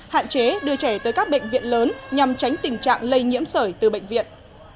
hạn chế đưa trẻ tới các bệnh viện lớn nhằm tránh tình trạng lây nhiễm sởi từ bệnh viện